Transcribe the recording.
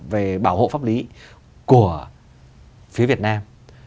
về bảo hộ pháp lý của phía việt nam